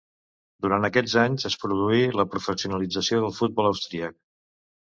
Durant aquests anys es produí la professionalització del futbol austríac.